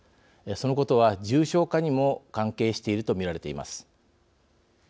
そのことは、重症化にも関係しているとみられています。